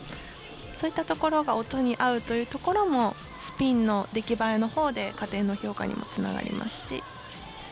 そういったところが音に合うというところもスピンの出来栄えのほうで加点の評価にもつながります。